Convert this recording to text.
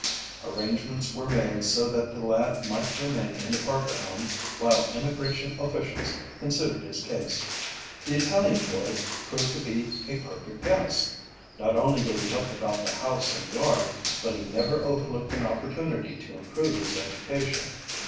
Arrangements were made so that the lad might remain in the Parker home while Immigration officials considered his case. The Italian boy proved to be a perfect guest. Not only did he help about the house and yard, but he never overlooked an opportunity to improve his education.